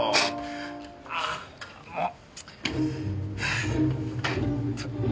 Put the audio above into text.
ああもう！